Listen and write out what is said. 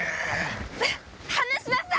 離しなさい！